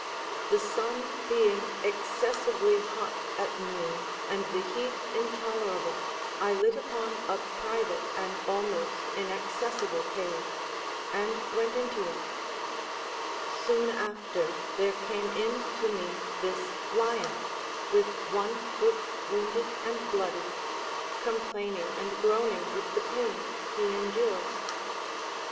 The sun being excessively hot at noon, and the heat intolerable, I lit upon a private and almost inaccessible cave, and went into it Soon after there came in to me this lion, with one foot wounded and bloody, complaining and groaning with the pain he endured.